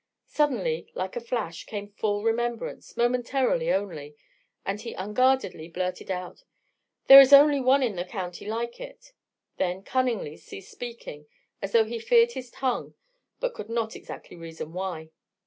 Suddenly, like a flash, came full remembrance momentarily, only and he unguardedly blurted out: "There is only one in the county like it"; then cunningly ceased speaking as though he feared his tongue, but could not exactly reason why.